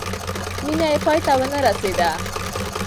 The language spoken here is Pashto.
مینه یې پای ته ونه رسېده.